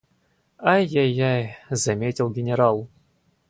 «Ай, ай, ай! – заметил генерал.